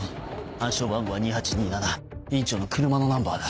暗証番号は２８２７院長の車のナンバーだ。